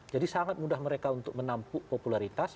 jadi sangat mudah mereka untuk menampuk popularitas